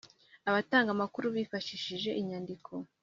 Abatanga amakuru bifashishije inyandiko